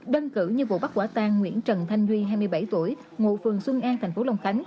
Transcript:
đơn cử như vụ bắt quả tang nguyễn trần thanh duy hai mươi bảy tuổi ngụ phường xuân an thành phố long khánh